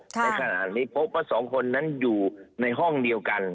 ในขณะนี้พบว่าสองคนนั้นอยู่ในห้องเดียวกัน